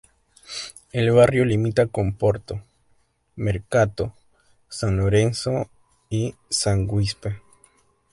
El barrio limita con Porto, Mercato, San Lorenzo y San Giuseppe.